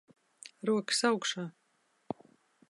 Rokas augšā.